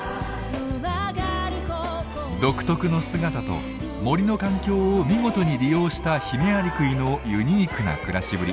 独特の姿と森の環境を見事に利用したヒメアリクイのユニークな暮らしぶり。